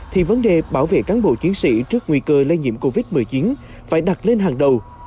thì vấn đề bảo vệ cán bộ chiến sĩ trước nguy cơ lây nhiễm covid một mươi chín phải đặt lên hàng đầu